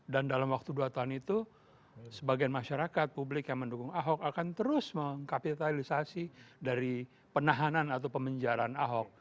dan dalam waktu dua tahun itu sebagian masyarakat publik yang mendukung ahok akan terus mengkapitalisasi dari penahanan atau pemenjaraan ahok